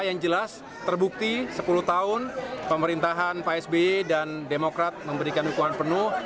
yang jelas terbukti sepuluh tahun pemerintahan pak sby dan demokrat memberikan hukuman penuh